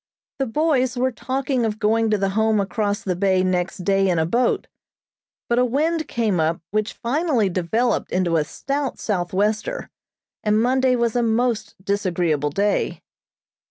The boys were talking of going to the Home across the bay next day in a boat, but a wind came up which finally developed into a stout southwester, and Monday was a most disagreeable day.